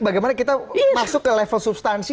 bagaimana kita masuk ke level substansi